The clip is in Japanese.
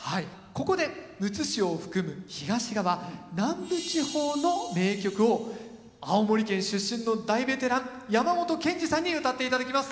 ここでむつ市を含む東側南部地方の名曲を青森県出身の大ベテラン山本謙司さんにうたっていただきます。